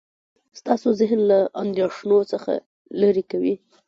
ستاسو ذهن له اندیښنو څخه لرې کوي.